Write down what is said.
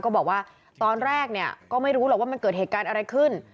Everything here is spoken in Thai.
ก็บอกว่าตอนแรกเนี่ยก็ไม่รู้หรอกว่ามันเกิดเหตุการณ์อะไรขึ้น